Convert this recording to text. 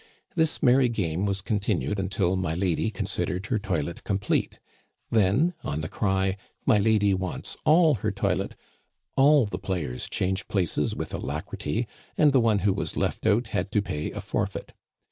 This merry game was continued until my lady considered her toilet complete. Then, on the cry, My lady wants all her toilet," all the players change places with alacrity, and the one who was left out had to pay a forfeit.